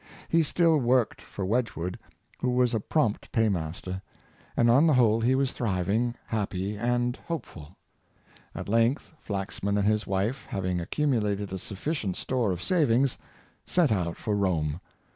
He still worked for Wedgwood, who was a prompt paymaster; and, on the whole, he was thriving, happy, and hopeful. At length Flaxman and his wife having accumulated a sufficient store of savings, set out for Rome.